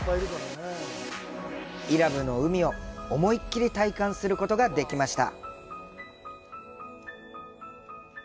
伊良部の海を思いっきり体感することができました。